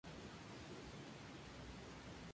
Fue nominado a muchos premios.